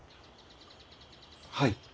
はい。